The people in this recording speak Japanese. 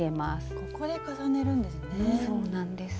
ここで重ねるんですね。